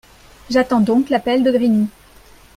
J’attends donc l’appel de Grigny.